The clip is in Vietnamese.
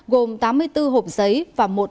gồm tám mươi bốn hộp giấy và một bát